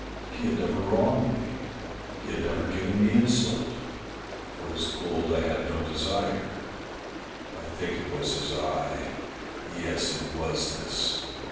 He had never wronged me. He had never given me insult. For his gold I had no desire. I think it was his eye ! yes, it was this